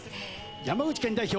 山口県代表